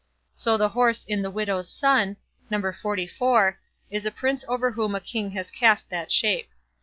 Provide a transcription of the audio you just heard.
So the horse in "the Widow's Son", No. xliv, is a Prince over whom a king has cast that shape.